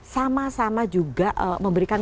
sama sama juga memberikan